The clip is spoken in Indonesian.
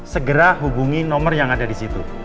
segera hubungi nomor yang ada di situ